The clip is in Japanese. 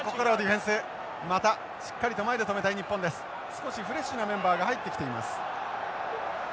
少しフレッシュなメンバーが入ってきています。